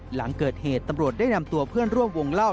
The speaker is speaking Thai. หลังเกิดเหตุตำรวจได้นำตัวเพื่อนร่วมวงเล่า